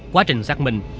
quá trình xác minh